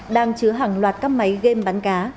đang chứa hàng loạt cấp máy game bắn cá